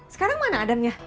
sekarang mana adamnya